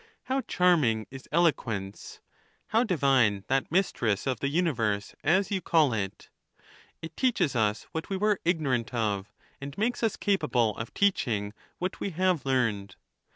How charming is eloquence ! How divine that mistress of the universe, as you call it ! It teaches us what we were ig norant of, and makes us capable of teaching what we have learned.